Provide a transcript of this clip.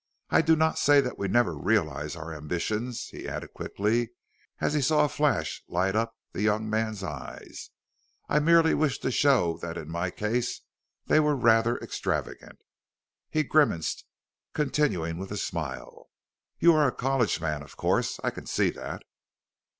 I do not say that we never realize our ambitions," he added quickly as he saw a flash light up the young man's eyes; "I merely wish to show that in my case they were rather extravagant." He grimaced, continuing with a smile: "You are a college man, of course I can see that."